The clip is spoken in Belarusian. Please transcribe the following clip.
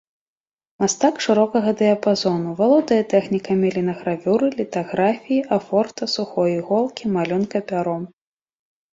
Мастак шырокага дыяпазону, валодае тэхнікамі лінагравюры, літаграфіі, афорта, сухой іголкі, малюнка пяром.